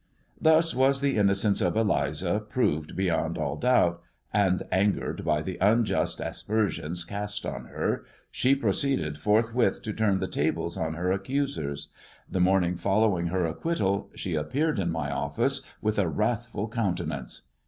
Thus was the innocence of Eliza proved beyond all doubt, and, angered by the unjust aspersions cast on her, she proceeded forthwith to turn the tables on her accusers. The morning following her acquittal, she appeared in my office with a wrathful countenance.